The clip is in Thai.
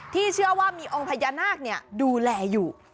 เชื่อว่ามีองค์พญานาคดูแลอยู่